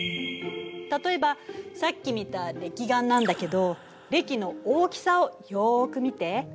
例えばさっき見たれき岩なんだけどれきの大きさをよく見て。